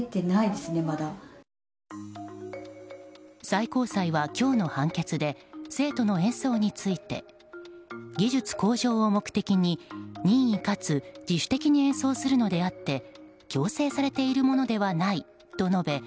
最高裁は今日の判決で生徒の演奏について技術向上を目的に任意かつ自主的に演奏するのであって強制されているものではないと述べ